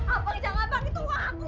abang jangan abang itu uang aku